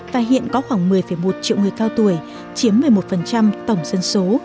và hiện có khoảng một mươi một triệu người cao tuổi chiếm một mươi một tổng dân số